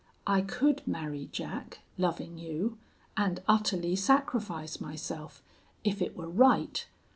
I could marry Jack, loving you, and utterly sacrifice myself, if it were right.